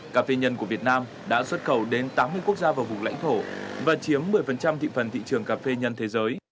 cà phê nhân của việt nam đã xuất khẩu đến tám mươi quốc gia và vùng lãnh thổ và chiếm một mươi thị phần thị trường cà phê nhân thế giới